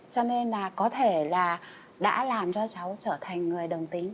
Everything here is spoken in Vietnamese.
cho nên là có thể là đã làm cho cháu trở thành người đồng tính